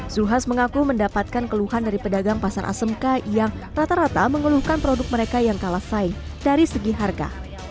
zulkifli hasan mengaku mendapatkan keluhan dari pedagang pasar asmk yang rata rata mengeluhkan produk mereka yang kalah saing dari segi harga